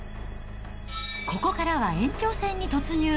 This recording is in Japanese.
ここからは延長戦に突入。